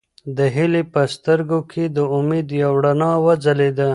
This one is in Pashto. د هیلې په سترګو کې د امید یوه رڼا وځلېده.